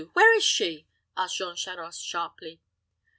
Where is she?" asked Jean Charost, sharply.